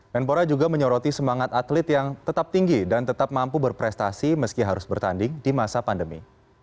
menpora juga menyoroti semangat atlet yang tetap tinggi dan tetap mampu berprestasi meski harus bertanding di masa pandemi